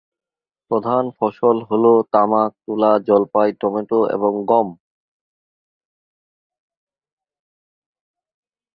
প্রধান ফসল হ'ল তামাক, তুলা, জলপাই, টমেটো এবং গম।